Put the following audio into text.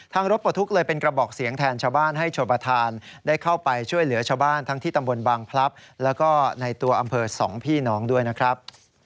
รถปลดทุกข์เลยเป็นกระบอกเสียงแทนชาวบ้านให้ชมประธานได้เข้าไปช่วยเหลือชาวบ้านทั้งที่ตำบลบางพลับแล้วก็ในตัวอำเภอสองพี่น้องด้วยนะครับ